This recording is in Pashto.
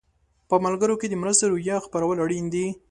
په ملګرو کې د مرستې روحیه خپرول اړین دي.